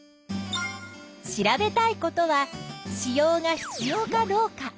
調べたいことは子葉が必要かどうか。